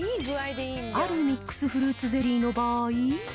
あるミックスフルーツゼリーの場合。